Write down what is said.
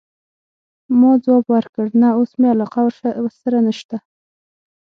ما ځواب ورکړ: نه، اوس مي علاقه ورسره نشته.